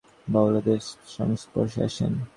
তিনি বর্ধমান-বীরভূমের বৈষ্ণব-বাউলদের সংস্পর্শে আসেন।